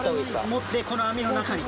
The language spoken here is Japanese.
持ってこの網の中に。